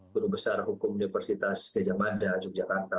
guru besar hukum universitas gejamada yogyakarta